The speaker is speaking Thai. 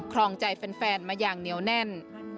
ครองใจแฟนมาอย่างเหนียวแน่น